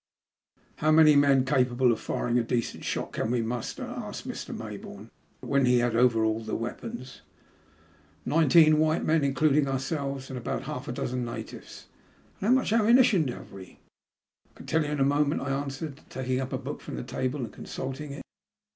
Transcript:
''How may men capable of firing a decent shot can we muster?" asked Mr. May bourne, when he had overhauled the weapons. ''Nineteen white men, including ourselves, and about half a dozen natives." *' And how much ammunition have we? "*' I can tell you in a moment," I answered, taking up a book from the table and consulting it.